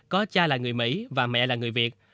có cha là người mỹ và mẹ là người việt